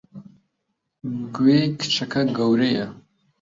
گوێی کچەکە گەورەیە!